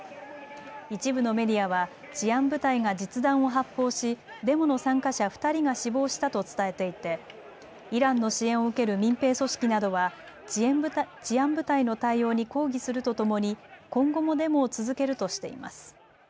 一部のメディアは治安部隊が実弾を発砲しデモの参加者２人が死亡したと伝えていてイランの支援を受ける民兵組織などは治安部隊の対応に抗議するとともに今後もデモを続けるとしています。